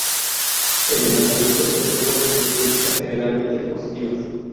En el lanzamiento, el juego recibió críticas generalmente positivas.